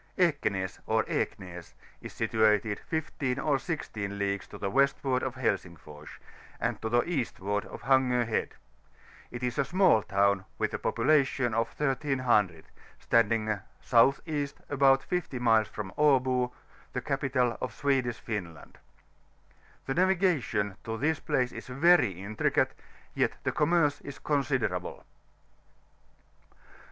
EXEHAS, ov EBJf AS, is situated 15 or 16 leagues to the westward of Helsingfors, and to the eastward of Hango Head; it is a small town, with a population of 1300, standing S.E. about 50 miles from Abo, the capital of Swedish Finland. The naviga tion to this place is very intricate, yet the commerce is considerable.